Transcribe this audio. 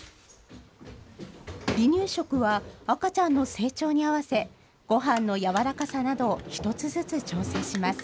離乳食は、赤ちゃんの成長に合わせ、ごはんの軟らかさなど、一つずつ調整します。